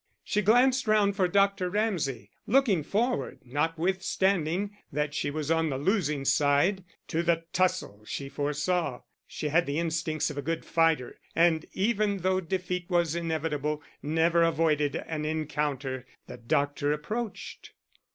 She glanced round for Dr. Ramsay, looking forward, notwithstanding that she was on the losing side, to the tussle she foresaw. She had the instincts of a good fighter, and, even though defeat was inevitable, never avoided an encounter. The doctor approached.